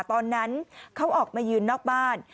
ตอนนั้นเขาออกมายืนนอกบ้าน